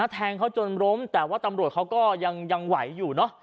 แทงเขาจนล้มแต่ว่าตำรวจเขาก็ยังไหวอยู่เนอะ